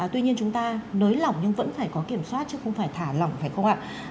tuy nhiên chúng ta nới lỏng nhưng vẫn phải có kiểm soát chứ không phải thả lỏng phải không ạ